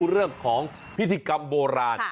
เรื่องของพิธีกรรมโบราณ